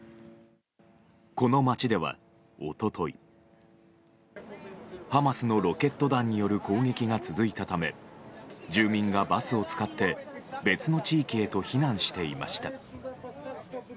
この街では一昨日ハマスのロケット弾による攻撃が続いたため住民がバスを使って別の地域へと避難していました。